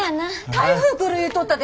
台風来る言うとったで。